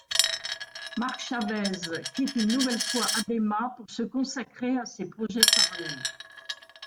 Mark Chavez quitte une nouvelle fois Adema pour se consacrer à ses projets parallèles.